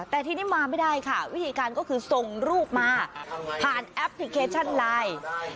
แต่ทีนี้มาไม่ได้ค่ะวิธีการก็คือส่งรูปมาผ่านแอปพลิเคชันไลน์